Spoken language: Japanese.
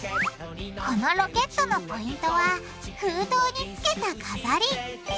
このロケットのポイントは封筒につけた飾り！